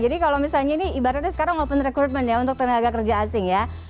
jadi kalau misalnya ini ibaratnya sekarang open recruitment ya untuk tenaga kerja asing ya